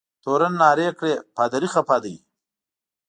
تورن نارې کړې پادري خفه دی.